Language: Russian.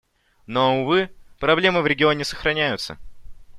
Но, увы, проблемы в регионе сохраняются.